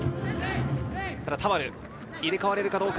田原、入れ替われるかどうか。